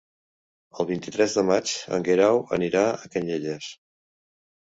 El vint-i-tres de maig en Guerau anirà a Canyelles.